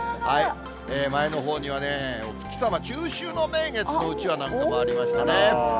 前のほうにはお月様、中秋の名月のうちわなんかもありましたね。